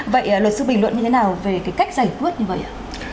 vậy luật sư bình luận như thế nào về cái cách giải quyết như vậy ạ